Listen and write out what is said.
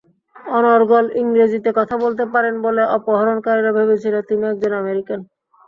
অনর্গল ইংরেজিতে কথা বলতে পারেন বলে অপহরণকারীরা ভেবেছিল তিনি একজন আমেরিকান।